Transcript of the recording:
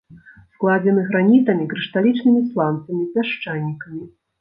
Складзены гранітамі, крышталічнымі сланцамі, пясчанікамі.